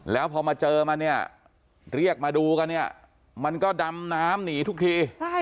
แล้วพอมาเจอมันเนี่ยเรียกมาดูกันเนี่ยมันก็ดำน้ำหนีทุกที